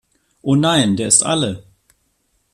Oh nein, der ist alle!